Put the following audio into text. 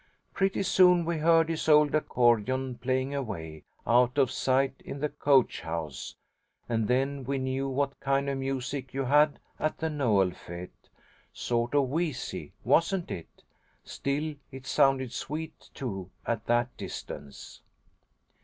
Pretty soon we heard his old accordeon playing away, out of sight in the coach house, and then we knew what kind of music you had at the Noel fête. Sort of wheezy, wasn't it? Still it sounded sweet, too, at that distance.